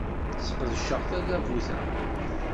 Sqedceɣ tadabut-a.